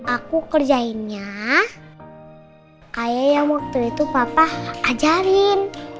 aku kerjainnya kayak yang waktu itu papa ajarin